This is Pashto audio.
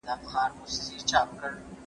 ايا ته ونې ته اوبه ورکوې!.